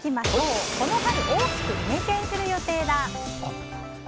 この春大きくイメチェンする予定だ。